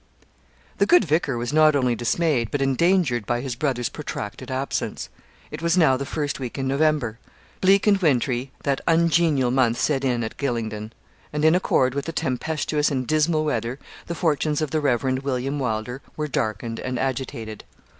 The good vicar was not only dismayed but endangered by his brother's protracted absence. It was now the first week in November. Bleak and wintry that ungenial month set in at Gylingden; and in accord with the tempestuous and dismal weather the fortunes of the Rev. William Wylder were darkened and agitated.